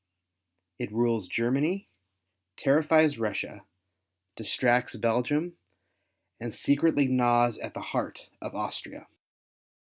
It rules Germany, terrifies liussia, distracts Belgium, and secretly gnaws at the heart of Austria.